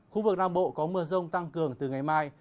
khu vực nam bộ có mưa rông tăng cường từ ngày mai